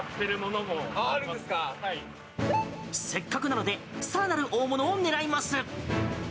せっかくなので更なる大物を狙います。